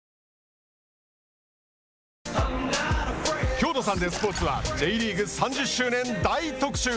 きょうのサンデースポーツはＪリーグ３０周年大特集。